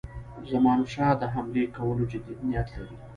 زمانشاه د حملې کولو جدي نیت لري.